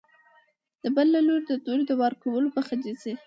د بل له لوري د تورې د وار کولو مخه نیسي.